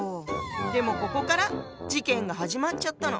でもここから事件が始まっちゃったの。